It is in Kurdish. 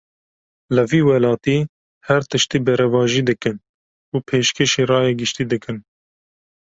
Li vî welatî, her tiştî berevajî dikin û pêşkêşî raya giştî dikin